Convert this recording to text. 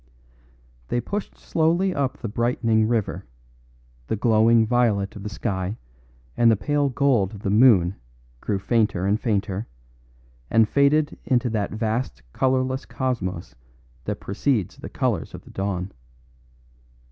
They pushed slowly up the brightening river; the glowing violet of the sky and the pale gold of the moon grew fainter and fainter, and faded into that vast colourless cosmos that precedes the colours of the dawn.